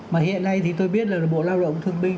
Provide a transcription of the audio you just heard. mà hiện nay thì tôi biết là bộ lao động thông minh